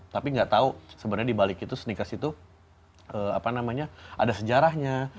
tapi nggak tahu sebenarnya di balik itu sneakers itu apa namanya ada sejarahnya